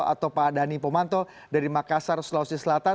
atau pak dhani pomanto dari makassar sulawesi selatan